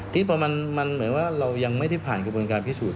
ที่พอมันเหมือนว่าเรายังไม่ได้ผ่านกระบวนการพิสูจน